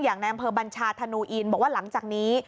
ในอำเภอบัญชาธนูอินบอกว่าหลังจากนี้